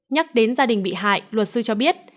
nhắc đến gia đình bị hại luật sư cho biết